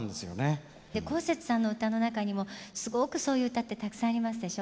こうせつさんの歌の中にもすごくそういう歌ってたくさんありますでしょ？